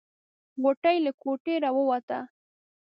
غوټۍ له کوټې راووته.